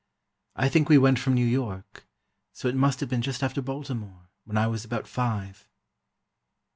I think we went from New York, so it must have been just after Baltimore, when I was about five."